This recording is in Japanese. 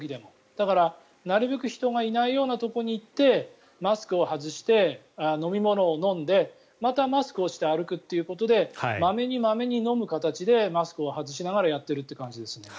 だから、なるべく人がいないようなところに行ってマスクを外して、飲み物を飲んでまたマスクをして歩くということでまめにまめに飲む形でマスクを外しながらやってる感じですね。